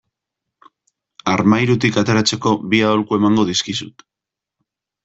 Armairutik ateratzeko bi aholku emango dizkizut.